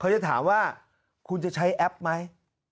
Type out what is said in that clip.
จะถามว่าคุณจะใช้แอปไหม